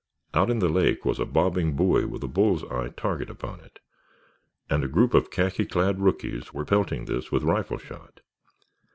Out in the lake was a bobbing buoy with a bulls eye target upon it, and a group of khaki clad rookies were pelting this with rifle shot.